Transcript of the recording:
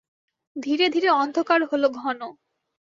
ধীরে ধীরে অন্ধকার হল ঘন।